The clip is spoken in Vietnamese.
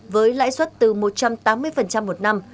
với lãi suất từ một trăm tám mươi một năm